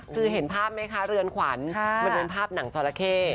คือเห็นภาพไหมคะเรือนขวัญมันเป็นภาพหนังจราเข้